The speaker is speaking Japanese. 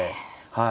はい。